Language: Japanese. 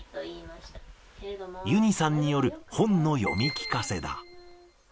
ユニさんによる本の読み聞かせだ。